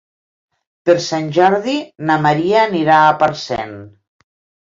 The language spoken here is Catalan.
Per Sant Jordi na Maria anirà a Parcent.